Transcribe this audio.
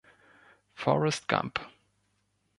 Forest Gump